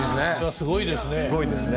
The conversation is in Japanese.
すごいですね。